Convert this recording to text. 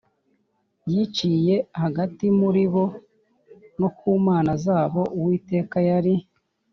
yiciye hagati muri bo no ku mana zabo Uwiteka yari